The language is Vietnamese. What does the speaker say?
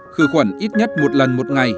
khử khuẩn ít nhất một lần một ngày